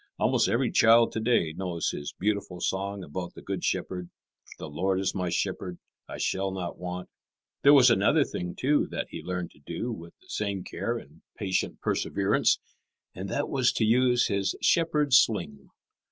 Almost every child to day knows his beautiful song about the Good Shepherd: "The Lord is my shepherd, I shall not want." There was another thing, too, that he learned to do with the same care and patient perseverance, and that was to use his shepherd's sling.